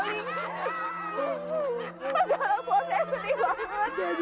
masalah kuat saya sedih banget